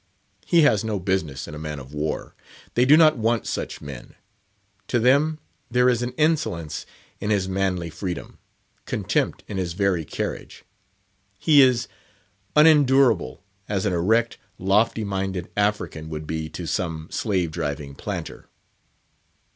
He has no business in a man of war; they do not want such men. To them there is an insolence in his manly freedom, contempt in his very carriage. He is unendurable, as an erect, lofty minded African would be to some slave driving planter.